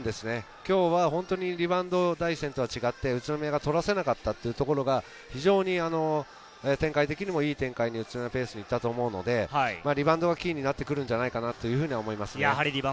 今日はリバウンドを第１戦とは違って宇都宮が取らせなかったというところが展開的にもいい展開になりましたし、リバウンドがキーになってくるんじゃないかなと思います。